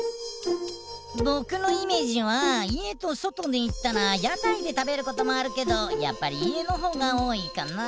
ぼくのイメージは家と外でいったらやたいで食べることもあるけどやっぱり家のほうがおおいかな。